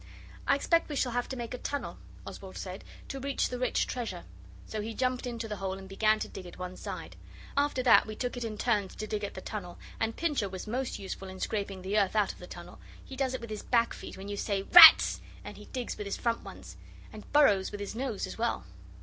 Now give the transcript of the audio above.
'I expect we shall have to make a tunnel,' Oswald said, 'to reach the rich treasure.' So he jumped into the hole and began to dig at one side. After that we took it in turns to dig at the tunnel, and Pincher was most useful in scraping the earth out of the tunnel he does it with his back feet when you say 'Rats!' and he digs with his front ones, and burrows with his nose as well.